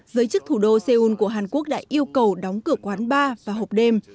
giới chức thủ đô seoul của hàn quốc đã yêu cầu đóng cửa quán bar và hộp đêm